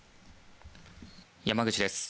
山口です。